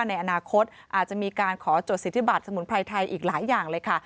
ในอนาคตอาจจะมีการขอจดสิทธิบัตรสมุนไพรไทยอีกหลายอย่างเลยค่ะ